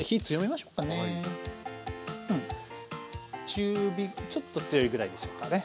中火ちょっと強いぐらいでしょうかね。